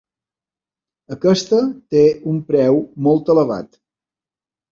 Aquesta té un preu molt elevat.